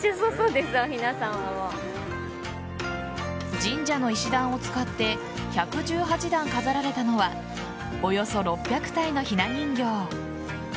神社の石段を使って１１８段飾られたのはおよそ６００体のひな人形。